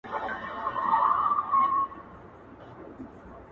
له مخي افغان ډياسپورا کولای سي